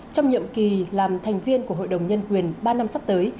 trong nhiệm kỳ làm thành viên của hội đồng nhân quyền ba năm sắp tới